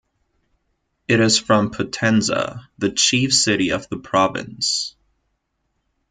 It is from Potenza, the chief city of the province.